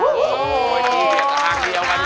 โอ้โฮที่เห็นแต่ทางเดียวกันยัง